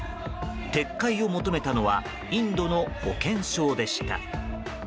撤回を求めたのはインドの保健相でした。